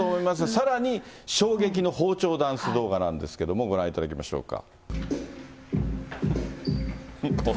さらに衝撃の包丁ダンス動画なんですけれども、ご覧いただきましょうか。